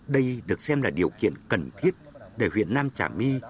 đây được xem là điều kiện cần thiết để nguyễn nam trả my